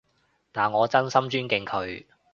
但我真心尊敬佢